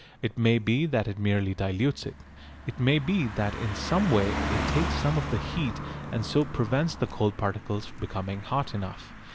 It may be that it merely dilutes it. It may be that in some way it takes some of the heat and so prevents the coal particles becoming hot enough.